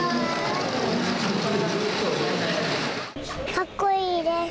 かっこいいです。